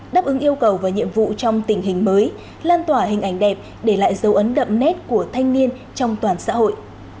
đáp ứng yêu cầu và nhiệm vụ trong tình hình mới lan tỏa hình ảnh đẹp để lại dấu ấn đậm nét của thanh niên trong toàn xã hội